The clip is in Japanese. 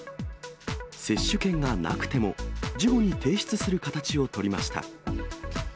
接種券がなくても、事後に提出する形を取りました。